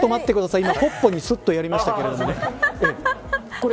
今ポッケにすっとやりましたけどね。